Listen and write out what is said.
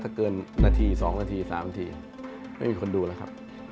ถ้าเกินนาที๒นาที๓ทีไม่มีคนดูแล้วครับ